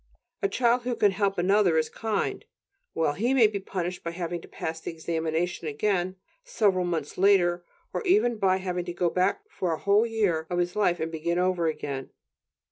A child who can help another is kind; well, he may be punished by having to pass the examination again, several months later, or even by having to go back for a whole year of his life and begin over again.